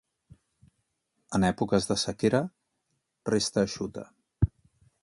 En èpoques de sequera resta eixuta.